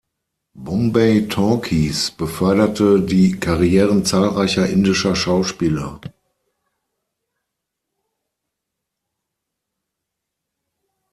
Bombay Talkies beförderte die Karrieren zahlreicher indischer Schauspieler.